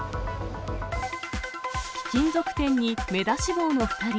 貴金属店に目出し帽の２人。